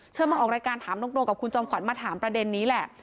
มาออกรายการถามตรงกับคุณจอมขวัญมาถามประเด็นนี้แหละ